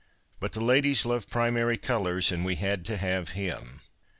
But the ladies love primary colours, and we had to have him.